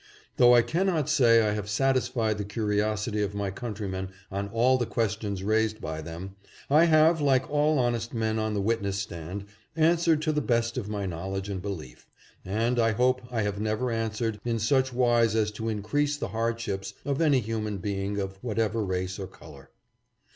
Though I cannot say I have satisfied the curiosity of my countrymen on all the questions raised by them, I have, like all honest men on the witness stand, answered to the best of my knowl edge and belief, and I hope I have never answered in such wise as to increase the hardships of any human being of whatever race or color.